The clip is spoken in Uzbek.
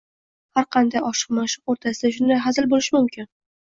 Har qanday oshiq-ma’shuq o’rtasida shunday hazil bo’lishi mumkin.